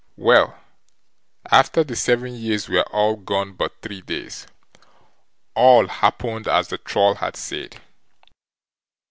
Well, after the seven years were all gone but three days, all happened as the Troll had said.